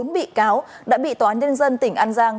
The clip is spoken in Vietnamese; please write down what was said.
bốn bị cáo đã bị tòa án nhân dân tỉnh an giang